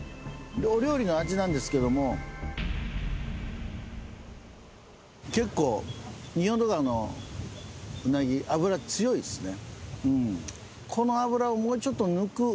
お料理の味なんですけども結構仁淀川のウナギ脂強いですね